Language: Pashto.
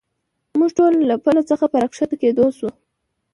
موږ ټول له پله څخه په را کښته کېدو شو.